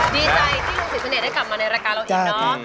ดีใจที่ลุงศรีเสน่ห์ได้กลับมาในรายการเราอีกเนอะ